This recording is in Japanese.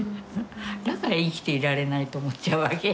だから生きていられないと思っちゃうわけ。